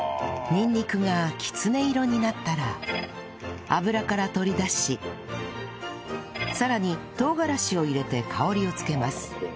にんにくがきつね色になったら油から取り出しさらに唐辛子を入れて香りをつけます